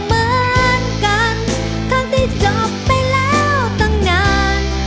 เหมือนกันทั้งที่จบไปแล้วตั้งนาน